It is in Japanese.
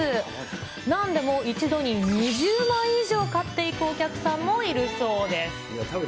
なんでも一度に２０枚以上買っていくお客さんもいるそうです。